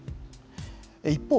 一方、